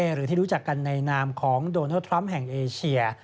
หรือที่รู้จักกันในนามของโดนัลดทรัมป์แห่งเอเชีย